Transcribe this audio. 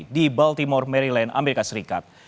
di baltimore maryland amerika serikat